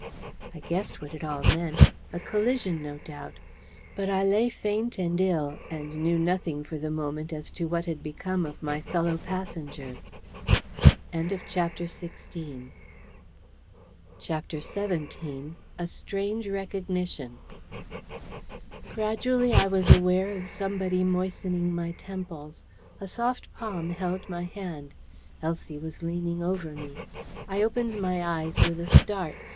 I guessed what it all meant. A collision, no doubt. But I lay faint and ill, and knew nothing for the moment as to what had become of my fellow passengers. CHAPTER XVII. A STRANGE RECOGNITION Gradually I was aware of somebody moistening my temples. A soft palm held my hand. Elsie was leaning over me. I opened my eyes with a start.